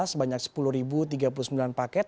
sebanyak sepuluh tiga puluh sembilan paket